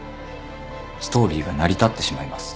ストーリーが成り立ってしまいます。